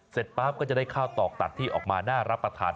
ป๊าบก็จะได้ข้าวตอกตัดที่ออกมาน่ารับประทาน